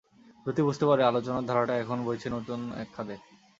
যতী বুঝতে পারে, আলোচনার ধারাটা এখন বইছে এক নতুন খাদে।